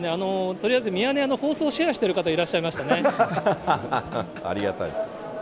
とりあえずミヤネ屋の放送をシェアしてる方、いらっしゃいましたありがたい。